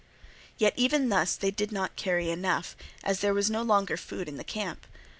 Yet even thus they did not carry enough, as there was no longer food in the camp.